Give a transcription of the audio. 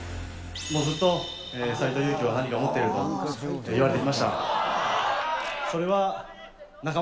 もうずっと、斎藤佑樹は何か持っていると言われてきました。